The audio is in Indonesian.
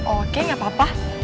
oke gak apa apa